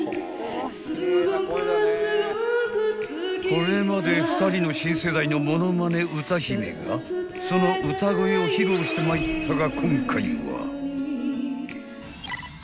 ［これまで２人の新世代の物まね歌姫がその歌声を披露してまいったが］